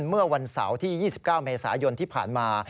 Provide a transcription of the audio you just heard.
เมื่อวันเสาร์ที่๒๙เมษายนที่ผ่านมา